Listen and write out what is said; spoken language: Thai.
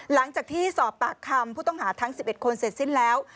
หลังจากที่สอบปากคำผู้ต้องหาทั้ง๑๑คนเสร็จสิ้นแล้ว